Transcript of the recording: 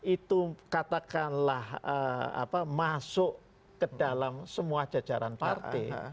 itu katakanlah masuk ke dalam semua jajaran partai